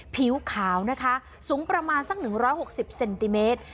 ผิวขาวนะคะสูงประมาณสักหนึ่งร้อยหกสิบเซนติเมตร